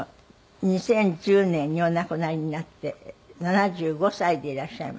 ２０１０年にお亡くなりになって７５歳でいらっしゃいました。